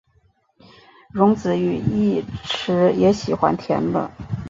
荣子与义持也喜欢田乐。